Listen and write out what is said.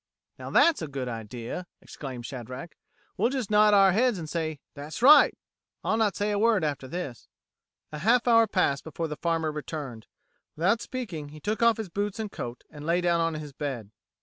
"Now, that's a good idea!" exclaimed Shadrack. "We'll just nod our heads an' say, 'That's right!' I'll not say a word after this." A half hour passed before the farmer returned. Without speaking, he took off his boots and coat, and lay down on his bed.